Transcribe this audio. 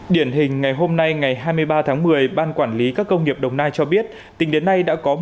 điển hình ngày hôm nay ngày hai mươi ba tháng một mươi ban quản lý các công nghiệp đồng nai cho biết tỉnh đến nay đã có một năm trăm bảy mươi năm